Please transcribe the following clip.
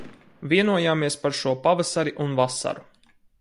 Vienojāmies par šo pavasari un vasaru.